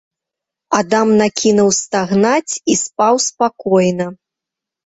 Адам накінуў стагнаць і спаў спакойна.